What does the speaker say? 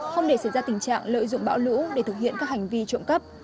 không để xảy ra tình trạng lợi dụng bão lũ để thực hiện các hành vi trộm cắp